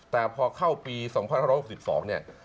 แต่พอเข้าปี๒๕๖๒เนี่ย